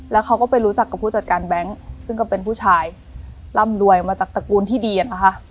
แล้วเขาก็ไปรู้จักกับผู้จัดการแบงค์ซึ่งก็เป็นผู้ชายร่ำรวยมาจากตระกูลที่ดีอะนะคะ